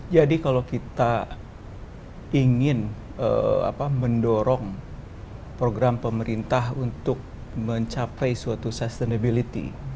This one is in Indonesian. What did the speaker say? jadi kalau kita ingin mendorong program pemerintah untuk mencapai suatu sustainability